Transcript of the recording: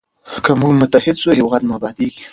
که موږ متحد سو هېواد مو ابادیږي.